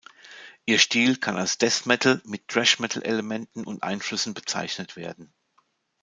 Ihr Stil kann als Death Metal mit Thrash-Metal-Elementen und -Einflüssen bezeichnet werden.